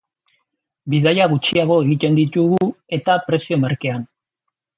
Bidaia gutxiago egiten ditugu eta prezio merkean.